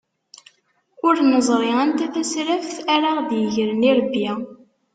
Ur neẓri anta tasraft ara aɣ-d-igren irebbi.